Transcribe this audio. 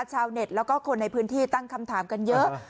ชาวเน็ตแล้วก็คนในพื้นที่ตั้งคำถามกันเยอะ